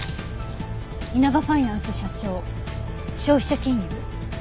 「イナバファイナンス社長」消費者金融？